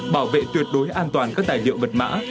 bảo vệ tuyệt đối an toàn các tài liệu vật mã